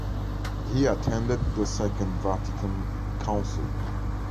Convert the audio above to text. He attended the Second Vatican Council.